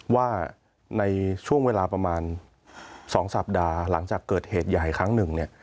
ว่าในช่วงเวลาประมาณ๒สัปดาห์หลังจากเกิดเหตุใหญ่ครั้งหนึ่งเนี่ย